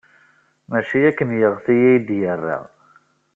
Maci akken yeɣti ay d-yerra.